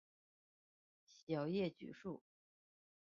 小叶榉树